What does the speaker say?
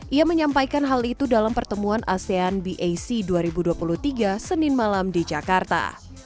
ia menyampaikan hal itu dalam pertemuan asean bac dua ribu dua puluh tiga senin malam di jakarta